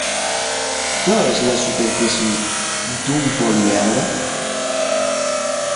Què és la superfície d'un políedre?